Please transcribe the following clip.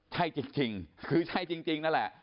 ใช่จริงคือใช่จริงนั่นแหละ